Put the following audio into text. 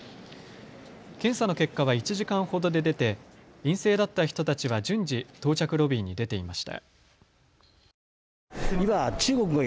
検査の結果は１時間ほどで出て陰性だった人たちは順次、到着ロビーに出ていました。